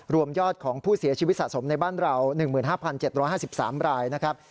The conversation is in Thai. รวมยอดของผู้เสียชีวิตสะสมในบ้านเรา๑๕๗๕๓รายนะครับ